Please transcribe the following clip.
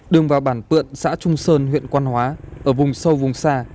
đường vào bản pượn xã trung sơn huyện quan hóa ở vùng sâu vùng xa